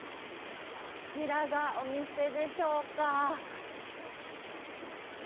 こちらがお店でしょうか。